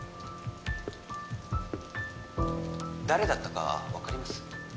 誰だったか分かります？